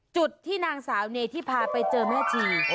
จุดที่นางสาวเนธิพาไปเจอแม่ชี